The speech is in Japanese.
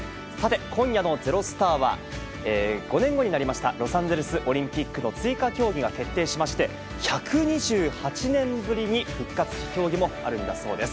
今夜の「＃ｚｅｒｏｓｔａｒ」は５年後になりましたロサンゼルスオリンピックの追加競技が決定しまして１２８年ぶりに復活する競技もあるそうです。